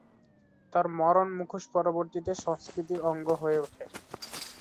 তার মরণ-মুখোশ পরবর্তীতে সংস্কৃতির অঙ্গ হয়ে উঠে।